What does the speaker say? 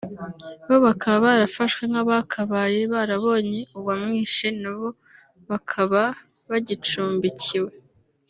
bo bakaba barafashwe nk’abakabaye barabonye uwamwishe na bo bakaba bagicumbikiwe